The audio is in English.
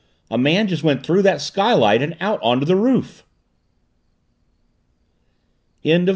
"A man just went through that skylight and out onto the roof!"